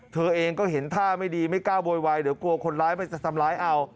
เธอเองก็เห็นท่าไม่ดีไม่กล้าโวยวายเดี๋ยวกลัวคนร้ายมันจะทำร้ายเอา